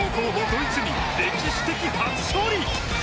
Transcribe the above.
ドイツに歴史的初勝利。